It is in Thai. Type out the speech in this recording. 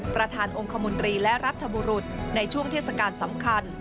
ประธานองค์คมนตรีและรัฐบุรุษในช่วงเทศกาลสำคัญ